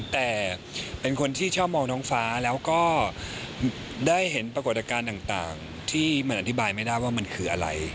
แต่เป็นคนที่ชอบมองน้องฟ้าแล้วก็ได้เห็นปรากฏการณ์ต่างที่มันอธิบายไม่ได้ว่ามันคืออะไร